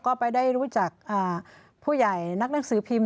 ก็ไปได้รู้จักผู้ใหญ่นักหนังสือพิมพ์